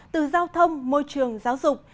từ giao thông môi trường giáo dục